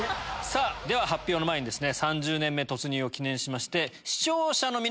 では発表の前に３０年目突入を記念しまして。